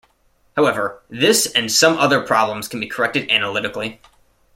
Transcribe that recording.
However, this and some other problems can be corrected analytically.